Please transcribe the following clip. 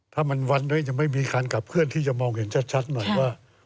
ถ้ามันวันไว้จะไม่มีคันกับเพื่อนที่จะมองเห็นชัดหน่อยว่า